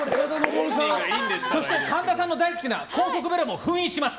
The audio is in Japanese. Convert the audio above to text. そして神田さんの大好きな高速ベロも封印します。